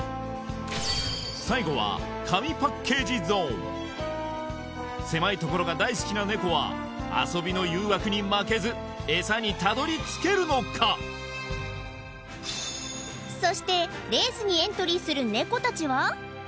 最後は狭い所が大好きなネコは遊びの誘惑に負けずエサにたどり着けるのかそしてレースにエントリーするネコたちは？